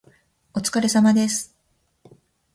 お疲れ様です